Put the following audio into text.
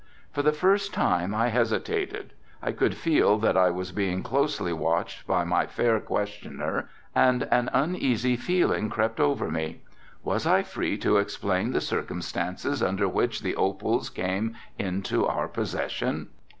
For the first time I hesitated, I could feel that I was being closely watched by my fair questioner and an uneasy feeling crept over me. Was I free to explain the circumstances under which the opals came into our possession?